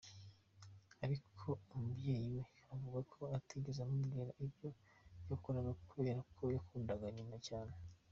Ariko umubyeyi we avuga ko atigeze amubwira ibyo yakoraga kubera ko yakundaga nyina cyane.